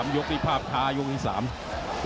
ยกนี้ภาพคลายกอีก๓